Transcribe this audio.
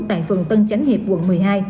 tại phường tân chánh hiệp quận một mươi hai